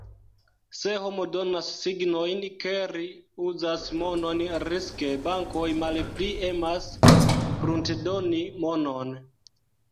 Se homo donas signojn, ke ri uzas monon riske, bankoj malpli emas pruntedoni monon.